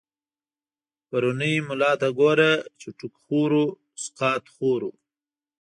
پرونی ملا ته گوره، چی ټوک خورو سقاط خورو